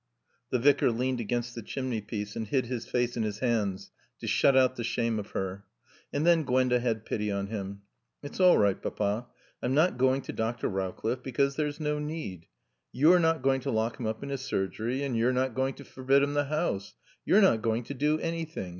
The Vicar leaned against the chimney piece and hid his face in his hands to shut out the shame of her. And then Gwenda had pity on him. "It's all right, Papa. I'm not going to Dr. Rowcliffe, because there's no need. You're not going to lock him up in his surgery and you're not going to forbid him the house. You're not going to do anything.